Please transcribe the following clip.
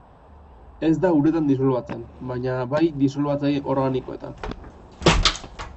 Ez da uretan disolbatzen, baina bai disolbatzaile organikoetan.